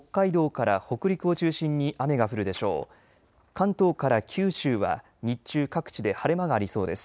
関東から九州は日中、各地で晴れ間がありそうです。